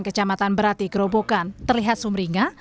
kecamatan berati gerobokan terlihat sumringah